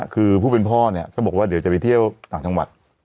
คือผู้เป็นพ่อเนี่ยก็บอกว่าเดี๋ยวจะไปเที่ยวต่างจังหวัด